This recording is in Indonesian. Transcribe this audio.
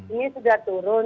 ini sudah turun